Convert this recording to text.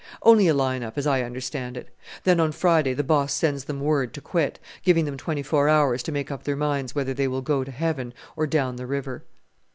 "Only a line up, as I understand it; then on Friday the boss sends them word to quit, giving them twenty four hours to make up their minds whether they will go to Heaven or down the River."